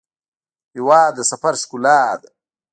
هېواد د سفر ښکلا ده.